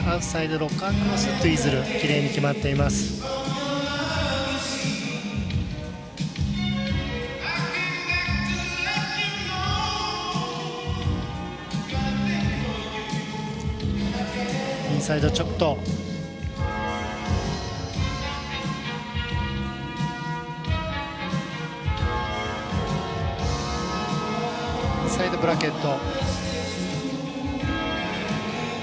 インサイドブラケット。